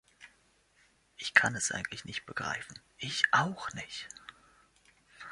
Ich kann es eigentlich nicht begreifen." Ich auch nicht!